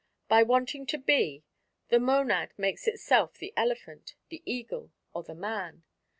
By wanting to be, the monad makes itself the elephant, the eagle, or the man.